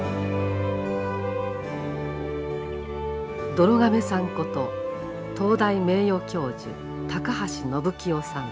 どろ亀さんこと東大名誉教授高橋延清さん